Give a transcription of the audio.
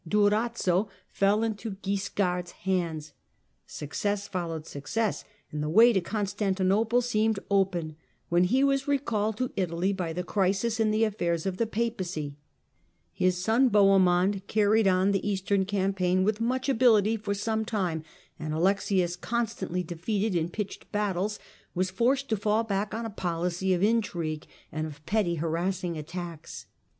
Durazzo fell into Guiscard's hands, success followed success, and the way to Constantinople seemed open, when he was recalled to Italy by the crisis in the aftairs of the Papacy (see p. 88). His son Bohemond carried on the Eastern campaign with much ability for some time, and Alexius, constantly defeated in pitched battles, was forced to fall back on a policy of intrigue, and of petty harassing attacks.